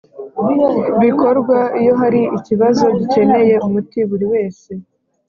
bikorwa iyo hari ikibazo gikeneye umuti buri wese